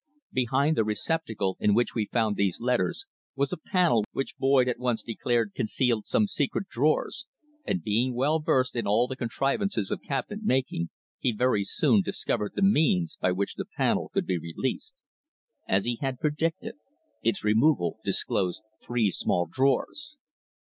Behind the receptacle in which we found these letters was a panel which Boyd at once declared concealed some secret drawers, and being well versed in all the contrivances of cabinet making, he very soon discovered the means by which the panel could be released. As he had predicted, its removal disclosed three small drawers.